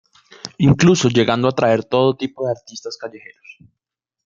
Incluso llegando a traer todo tipo de artistas callejeros.